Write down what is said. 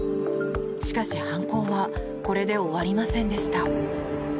しかし、犯行はこれで終わりませんでした。